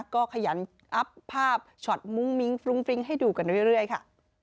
ก็ขยันอัพภาพช็อตมุ้งมิ้งฟรุ้งฟริ้งให้ดูกันเรื่อยค่ะ